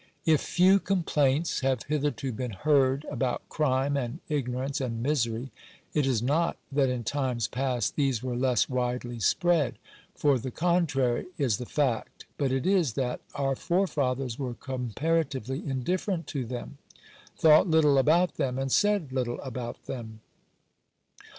If few complaints have hitherto been heard about crime, and ignorance, and misery, it is not that in times past these were less widely spread; "for the contrary is the fact; but it is, that our forefathers were comparatively indifferent to them — thought little about them, and said little about them.